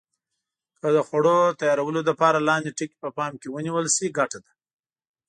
که د خوړو تیارولو لپاره لاندې ټکي په پام کې ونیول شي ګټه ده.